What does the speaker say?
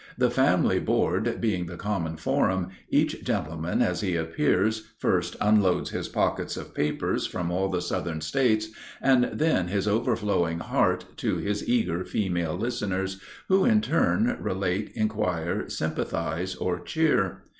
The family board being the common forum, each gentleman as he appears first unloads his pockets of papers from all the Southern States, and then his overflowing heart to his eager female listeners, who in turn relate, inquire, sympathize, or cheer.